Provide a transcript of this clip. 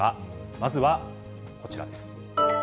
まずはこちらです。